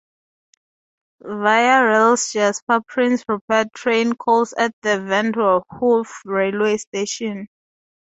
Via Rail's Jasper-Prince Rupert train calls at the Vanderhoof railway station.